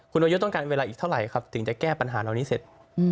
คุณประยุทธ์ต้องการเวลาอีกเท่าไหร่ครับถึงจะแก้ปัญหาเหล่านี้เสร็จ